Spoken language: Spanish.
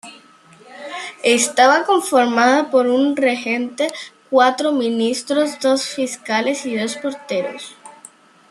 Estaba conformada por un regente, cuatro ministros, dos fiscales y dos porteros.